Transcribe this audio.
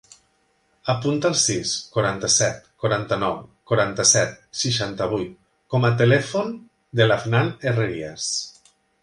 Apunta el sis, quaranta-set, quaranta-nou, quaranta-set, seixanta-vuit com a telèfon de l'Afnan Herrerias.